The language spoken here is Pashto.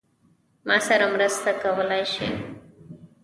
ما سره مرسته کولای شې؟